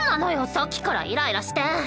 さっきからイライラして。